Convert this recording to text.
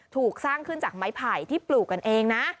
ถูกสร้างขึ้นจากไม้ไผ่ที่ปลูกกันเองนะ